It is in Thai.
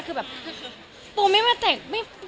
คือแบบปูไม่มาแต่ง